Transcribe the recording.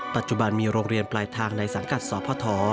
ปัจจุบันมีโรงเรียนปลายทางในสังกัดสพ